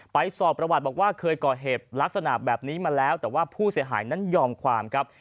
สอบประวัติบอกว่าเคยก่อเหตุลักษณะแบบนี้มาแล้วแต่ว่าผู้เสียหายนั้นยอมความครับ